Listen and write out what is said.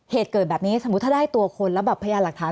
เหตุเกิดแบบนี้สมมุติถ้าได้ตัวคนแล้วแบบพยานหลักฐาน